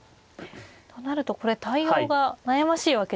となるとこれ対応が悩ましいわけですね。